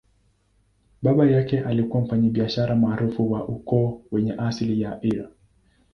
Baba yake alikuwa mfanyabiashara maarufu wa ukoo wenye asili ya Eire.